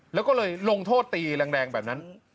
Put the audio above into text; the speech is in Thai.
แล้วก็เลยลงโทษตีแรงแบบนั้น